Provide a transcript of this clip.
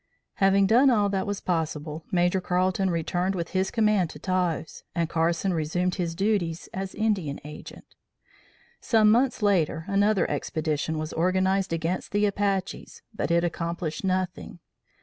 Having done all that was possible, Major Carleton returned with his command to Taos and Carson resumed his duties as Indian Agent. Some months later, another expedition was organized against the Apaches but it accomplished nothing.